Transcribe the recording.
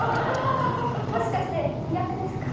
もしかして苦手ですか？